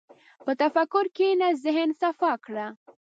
په تفکر کښېنه، ذهن صفا کړه.